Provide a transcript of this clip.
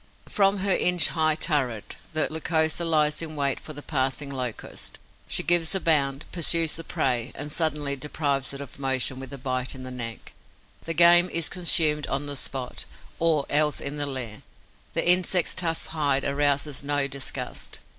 From her inch high turret, the Lycosa lies in wait for the passing Locust. She gives a bound, pursues the prey and suddenly deprives it of motion with a bite in the neck. The game is consumed on the spot, or else in the lair; the insect's tough hide arouses no disgust.